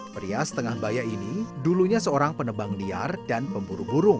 pria setengah baya ini dulunya seorang penebang liar dan pemburu burung